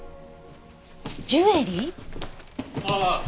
ああ。